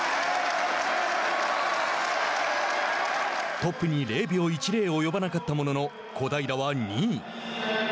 トップに０秒１０及ばなかったものの小平は２位。